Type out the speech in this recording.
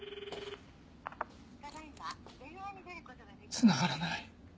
つながらない。